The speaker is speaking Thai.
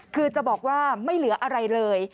คือจะบอกว่าไม่เหลืออะไรเลย